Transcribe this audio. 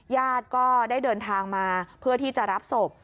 ญาติก็ได้เดินทางมาเพื่อที่จะรับศพ